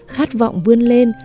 khát vọng vươn lên